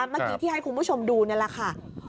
เมื่อกี้ที่ให้คุณผู้ชมดูนี่แหละค่ะ